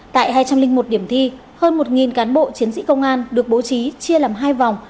tại hai trăm linh một điểm thi hơn một cán bộ chiến sĩ công an được bố trí chia làm hai vòng